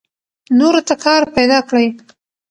نورو ته کار پیدا کړئ.